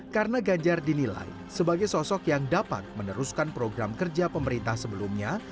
karena ganjar dinilai sebagai sosok yang dapat meneruskan program kerja pemerintah sebelumnya